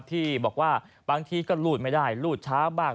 ที่บอกว่าบางทีก็รูดไม่ได้รูดช้าบ้าง